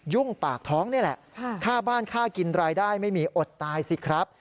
ปากท้องนี่แหละค่าบ้านค่ากินรายได้ไม่มีอดตายสิครับ